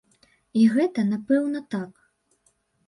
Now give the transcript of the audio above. І гэта, напэўна, так.